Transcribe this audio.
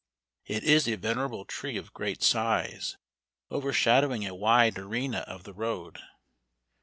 It is a venerable tree, of great size, overshadowing a wide arena of the road.